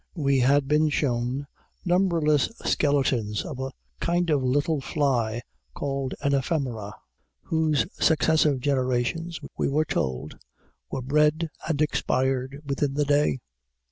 We had been shown numberless skeletons of a kind of little fly, called an ephemera, whose successive generations, we were told, were bred and expired within the day.